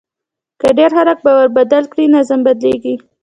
که ډېر خلک باور بدل کړي، نظم بدلېږي.